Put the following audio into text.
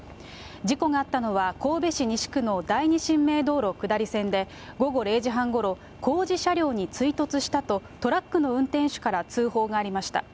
事故があったのは、神戸市西区の第二神明道路下り線で、午後０時半ごろ、工事車両に追突したと、トラックの運転手から通報がありました。